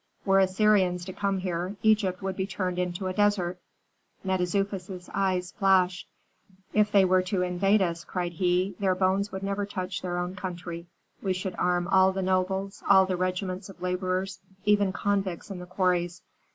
Were Assyrians to come here, Egypt would be turned into a desert." Mentezufis' eyes flashed. "If they were to invade us," cried he, "their bones would never touch their own country! We should arm all the nobles, all the regiments of laborers, even convicts in the quarries.